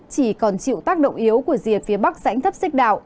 chỉ còn chịu tác động yếu của rìa phía bắc dãnh thấp xích đạo